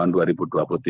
ini adalah yang ketiga